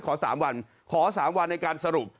ขอ๓วันขอ๓วันในการสรุป